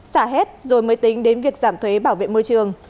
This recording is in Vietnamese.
xả hết rồi mới tính đến việc giảm thuế bảo vệ môi trường